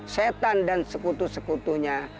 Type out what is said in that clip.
setan dan sekutu sekutunya